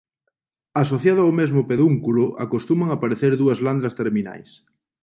Asociado ao mesmo pedúnculo acostuman aparecer dúas landras terminais.